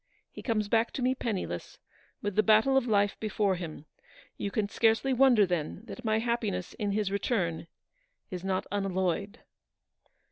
He comes back to me penniless, with the battle of life before him. You can scarcely wonder, then, that my happiness in his return is not unalloyed."